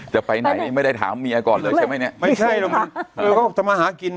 จะไปไหนไม่ได้ถามเมียก่อนเลยใช่ไหมเนี้ยไม่ใช่มันก็จะมาหากิน